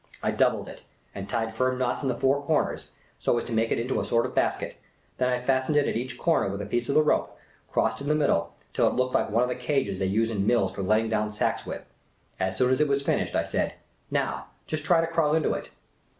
I doubled it, and tied firm knots in the four corners, so as to make it into a sort of basket ; then I fastened it at each corner with a piece of the rope, crossed in the middle, till it looked like one of the cages they use in mills for letting down sacks with. As soon as it was finished, I said, " Now, just try to crawl into it."